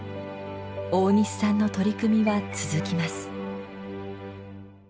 大西さんの取り組みは続きます。